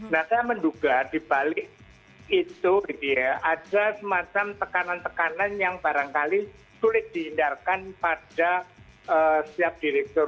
nah saya menduga dibalik itu ada semacam tekanan tekanan yang barangkali sulit dihindarkan pada setiap direktur